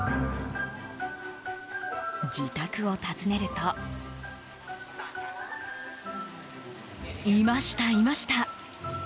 自宅を訪ねるといました、いました。